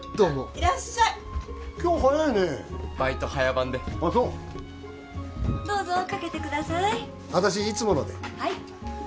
いらっしゃい今日早いねバイト早番であっそうどうぞかけてください私いつものではい